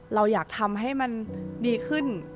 เราอยากทำให้มันดีขึ้น